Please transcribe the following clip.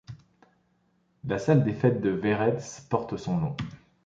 La salle des fêtes de Véretz porte son nom.